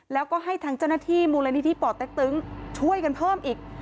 แล้วก็ให้ทางเจ้าหน้าที่มูลนิธิป่อเต็กตึงช่วยกันเพิ่มอีก